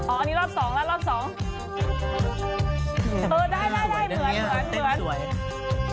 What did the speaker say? อ๋ออันนี้รอบ๒แล้วรอบ๒